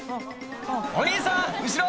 お兄さん後ろ！